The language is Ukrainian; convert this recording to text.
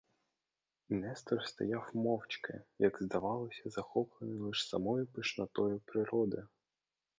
Нестор стояв мовчки, як здавалося, захоплений лиш самою пишнотою природи.